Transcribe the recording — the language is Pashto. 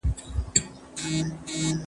په انګلیسي ژبه پوهېدل ډېر ضرور دي.